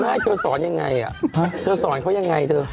หมาเคลียร์สอนยังไงอ่ะเคลียร์สอนเค้ายังไงเถอะ